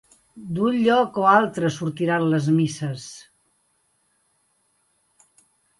D'un lloc o altre sortiran les misses.